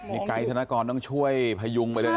นี่ไกด์ธนกรต้องช่วยพยุงไปเลยนะ